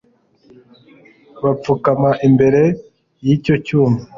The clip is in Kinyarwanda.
bapfukama imbere y'icyo cyuma